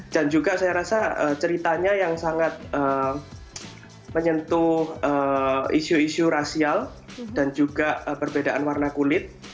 dan juga saya rasa ceritanya yang sangat menyentuh isu isu rasial dan juga perbedaan warna kulit